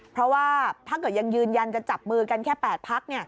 เพราะว่าถ้าเกิดยังยืนยันจะจับมือกันแค่๘พัก